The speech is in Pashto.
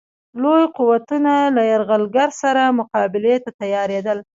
لوی قوتونه له یرغلګر سره مقابلې ته تیارېدل.